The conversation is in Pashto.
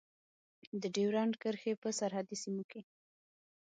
د ډیورند کرښې په سرحدي سیمو کې.